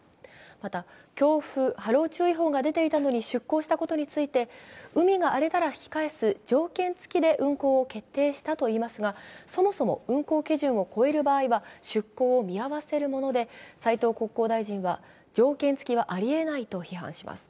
また、強風・波浪注意報が出ていたのに出航したことに対して海が荒れたら引き返す条件付きで運航を決定したといいますがそもそも運航基準を超える場合は出航を見合わせるもので斉藤国交大臣は条件付きはありえないと話します。